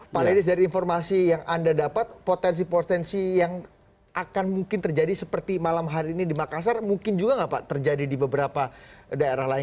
pak lenis dari informasi yang anda dapat potensi potensi yang akan mungkin terjadi seperti malam hari ini di makassar mungkin juga nggak pak terjadi di beberapa daerah lain